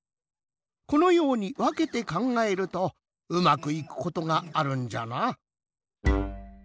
このようにわけてかんがえるとうまくいくことがあるんじゃな。